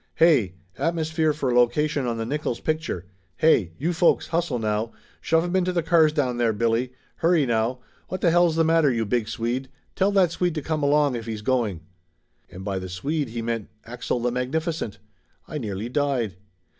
"Hey ! Atmosphere for location on the Nickolls pic ture! Hey. you folks hustle now! Shove 'em into the cars down there, Billy! Hurry now! What the Laughter Limited 101 hell's the matter, you big Swede ! Tell that Swede to come along if he's going!" And by the Swede he meant Axel the Magnificent! I nearly died.